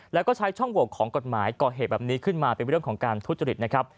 แล้วก็ใช้ช่องโหวกของกฎหมายก่อเหตุแบบนี้ขึ้นมาเป็นเรื่องของการทุจริตนะครับ